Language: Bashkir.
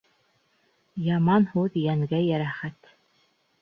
Яман һүҙ йәнгә йәрәхәт.